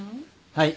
はい。